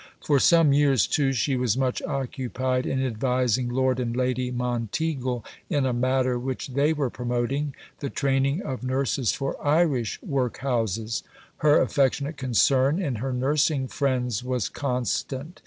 For some years, too, she was much occupied in advising Lord and Lady Monteagle in a matter which they were promoting the training of nurses for Irish Workhouses. Her affectionate concern in her nursing friends was constant.